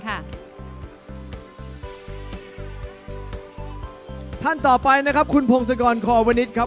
ครับท่านต่อไปนะครับคุณพงวิวัฒนากรควอนิทครับ